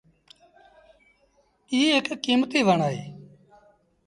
ايٚ هڪ ڪيمتيٚ وڻ اهي۔